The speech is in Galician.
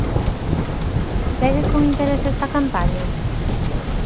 Segue con interese esta campaña?